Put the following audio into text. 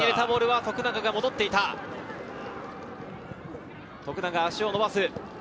徳永、足を伸ばす。